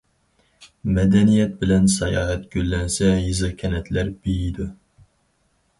مەدەنىيەت بىلەن ساياھەت گۈللەنسە، يېزا- كەنتلەر بېيىيدۇ.